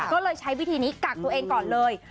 ก็เลยใช้วิธีนี้กักตัวเองก่อนเลย